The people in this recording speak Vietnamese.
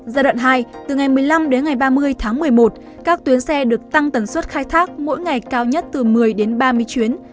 giai đoạn hai từ ngày một mươi năm ba mươi một mươi một các tuyến xe được tăng tuần suốt khai thác mỗi ngày cao nhất từ một mươi ba mươi chuyến